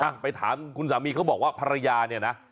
ไปถามคุณสามีเขาบอกว่าภรรยาเนี่ยนะ